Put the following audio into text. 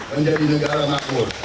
menjadi negara makmur